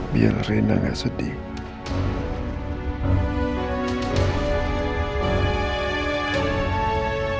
jangan kandung sampai kamu semua dutch al